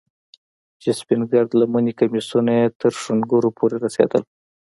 چې سپين گرد لمني کميسونه يې تر ښنگرو پورې رسېدل.